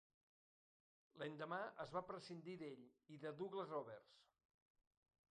L'endemà es va prescindir d'ell i de Douglas-Roberts.